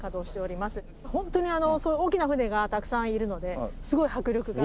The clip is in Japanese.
ホントにすごい大きな船がたくさんいるのですごい迫力が。